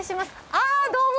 あぁどうも。